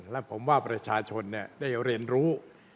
และผมว่าประชาชนได้เรียนรู้